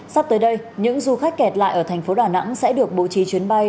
sắp tới đây những du khách kẹt lại ở tp đà nẵng sẽ được bộ trí chuyến bay